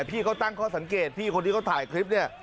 พี่เขาตั้งเขาสังเกตพี่คนนี้เขาถ่ายคลิป